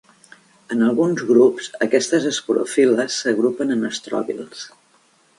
En alguns grups, aquestes esporofil·les s'agrupen en estròbils.